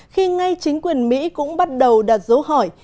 khi ngay chính quyền mỹ cũng bắt đầu đặt dấu hỏi